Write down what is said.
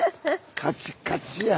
カチカチやん。